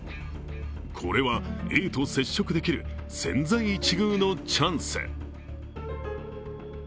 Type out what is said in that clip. これは、Ａと接触できる千載一遇のチャンス。